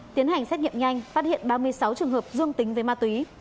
tiến hành xét nghiệm nhanh phát hiện ba mươi sáu trường hợp dương tính với ma túy